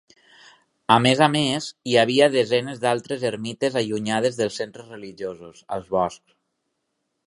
A més a més, hi havia desenes d'altres ermites allunyades dels centres religiosos, als boscs.